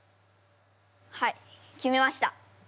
はい決めました。